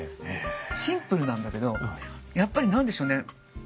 シンプルなんだけどやっぱり何でしょうね